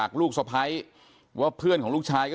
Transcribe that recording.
แม่โชคดีนะไม่ถึงตายนะ